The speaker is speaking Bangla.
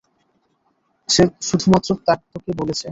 সে শুধুমাত্র তোকে বলেছে।